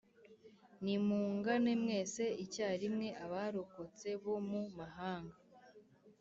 nimungane mwese icyarimwe, abarokotse bo mu mahanga.